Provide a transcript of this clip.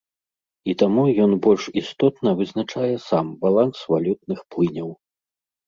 І таму ён больш істотна вызначае сам баланс валютных плыняў.